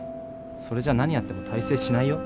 それじゃ何やっても大成しないよ。